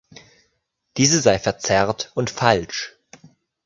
Diese sei verzerrt und falsch.